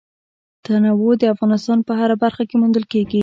تنوع د افغانستان په هره برخه کې موندل کېږي.